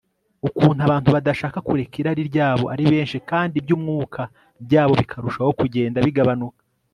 ukuntu abantu badashaka kureka irari ryabo ari benshi kandi iby'umwuka byabo bikarushaho kugenda bigabanuka